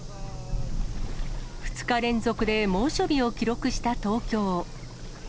２日連続で猛暑日を記録した東京。